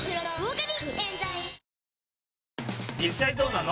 実際どうなの？